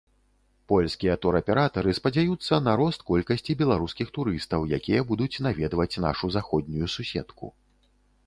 Польскія тураператары спадзяюцца на рост колькасці беларускіх турыстаў, якія будуць наведваць нашу заходнюю суседку.